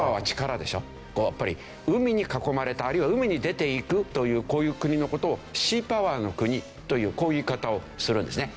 やっぱり海に囲まれたあるいは海に出ていくというこういう国の事をシーパワーの国というこういう言い方をするんですね。